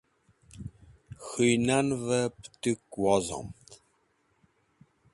k̃huynan ve putuk wuzmetu